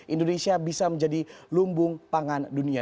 indonesia bisa menjadi lumbung pangan dunia